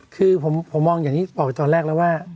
คือผมมองอย่างที่บอกไปตอนแรกแล้วว่า